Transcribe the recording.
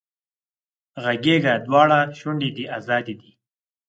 غږېږه دواړه شونډې دې ازادې دي